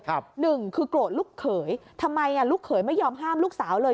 หนึ่งคือโกรธลูกเขยทำไมอ่ะลูกเขยไม่ยอมห้ามลูกสาวเลย